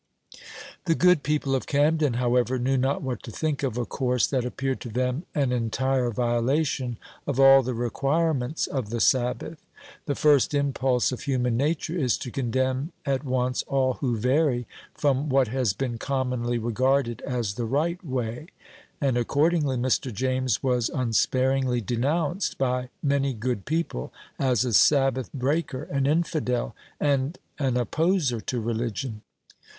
The good people of Camden, however, knew not what to think of a course that appeared to them an entire violation of all the requirements of the Sabbath. The first impulse of human nature is to condemn at once all who vary from what has been commonly regarded as the right way; and, accordingly, Mr. James was unsparingly denounced, by many good people, as a Sabbath breaker, an infidel, and an opposer to religion.